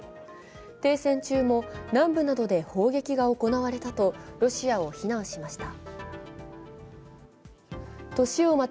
停戦中も南部などで砲撃が行われたとロシアを非難しました。